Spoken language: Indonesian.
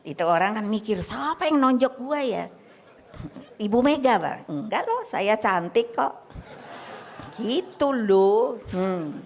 itu orangnya mikir sampai nonjok gua ya ibu mega enggak loh saya cantik kok gitu loh